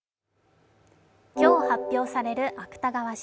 今日発表される芥川賞。